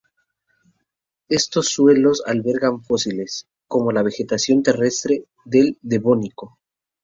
Estos suelos albergan fósiles, como la vegetación terrestre del Devónico.